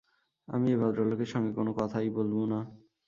আমি এই ভদ্রলোকের সঙ্গে কোনো কথাই বলব না।